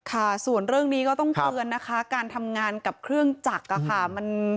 ค่ะส่วนเรื่องนี้ก็ต้องเตือนนะคะการทำงานกับเครื่องจักรค่ะ